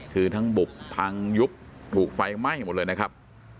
คือทั้งบุบพังยุบถูกไฟไหม้หมดเลยนะครับ